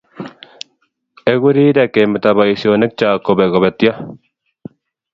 Eku rirek kemeto boishionik chok kobek kobetyo